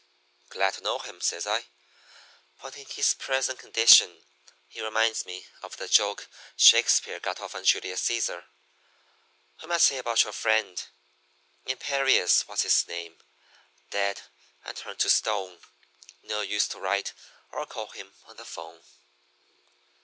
"'Glad to know him,' says I, 'but in his present condition he reminds me of the joke Shakespeare got off on Julius Cæsar. We might say about your friend: "'Imperious What's his name, dead and turned to stone No use to write or call him on the 'phone.'